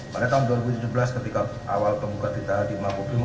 pada tahun dua ribu tujuh belas ketika awal pembuka kita di makobrimo